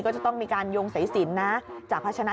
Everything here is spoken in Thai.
ก็จะต้องมีการโยงใส่สินนะ